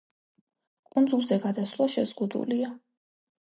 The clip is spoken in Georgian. კუნძულზე გადასვლა შეზღუდულია.